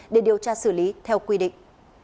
để điều tra xử lý theo quy định